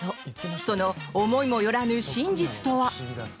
その思いもよらぬ真実とは？